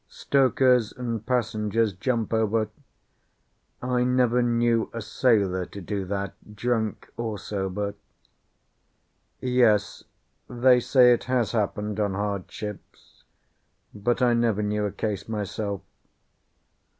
Stokers and passengers jump over; I never knew a sailor to do that, drunk or sober. Yes, they say it has happened on hard ships, but I never knew a case myself.